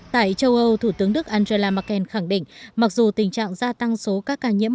tại châu âu thủ tướng đức angela merkel khẳng định mặc dù tình trạng gia tăng số các ca nhiễm